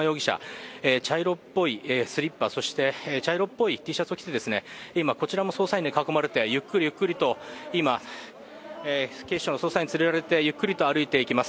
茶色っぽいスリッパ、茶色っぽいＴシャツを着て今、こちらも捜査員に囲まれて、ゆっくりゆっくりと今、警視庁の捜査員に連れられて歩いています。